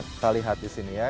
kita lihat di sini ya